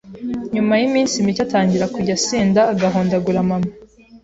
nyuma y’iminsi mike atangira kujya asinda agahondagura mama